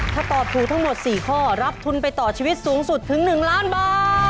ถ้าตอบถูกทั้งหมด๔ข้อรับทุนไปต่อชีวิตสูงสุดถึง๑ล้านบาท